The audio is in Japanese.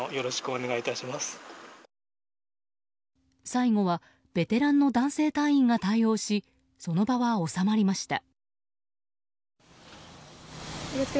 最後はベテランの男性隊員が対応しその場は収まりました。